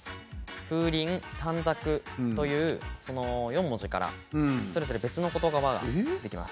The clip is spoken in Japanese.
ふうりん、たんざくという４文字からそれぞれ別のことばができます。